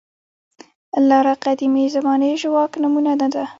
لاره قدیمې زمانې ژواک نمونه نه ده.